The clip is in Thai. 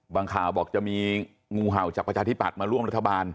ข่าวบอกจะมีงูเห่าจากประชาธิปัตย์มาร่วมรัฐบาล